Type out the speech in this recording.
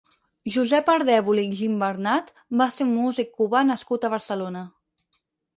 Josep Ardèvol i Gimbernat va ser un músic cubà nascut a Barcelona.